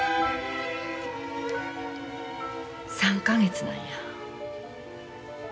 ３か月なんや。